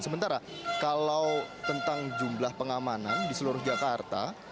sementara kalau tentang jumlah pengamanan di seluruh jakarta